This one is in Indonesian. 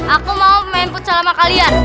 aku mau memaniput calama kalian